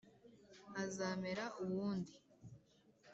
hazamera uwundi